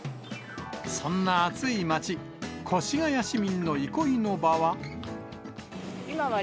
そんな暑い街、越谷市民の憩いの場は。